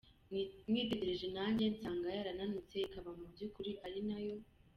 Mwitegereje nanjye nsanga yarananutse, ikaba mu by’ukuri ari na yo.